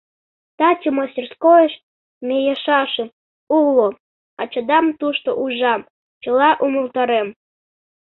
— Таче мастерскойыш мийышашым уло, ачадам тушто ужам, чыла умылтарем.